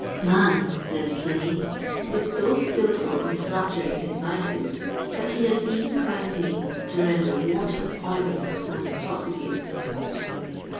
"Man," says Pliny, "is so skilful in flattering his vices, that he has even found means to render water poisonous and intoxicating."